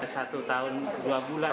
satu tahun dua bulan